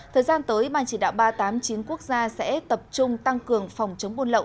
thời gian tới ban chỉ đạo ba trăm tám mươi chín quốc gia sẽ tập trung tăng cường phòng chống buôn lậu